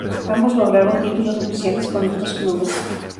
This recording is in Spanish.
Ambos, lograron títulos oficiales con los dos clubes.